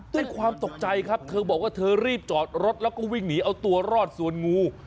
ด้วยความตกใจครับเธอบอกว่าเธอรีบจอดรถแล้วก็วิ่งหนีเอาตัวรอดส่วนงู